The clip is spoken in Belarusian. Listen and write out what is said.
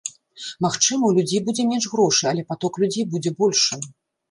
Магчыма, у людзей будзе менш грошай, але паток людзей будзе большым.